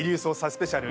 スペシャル